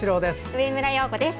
上村陽子です。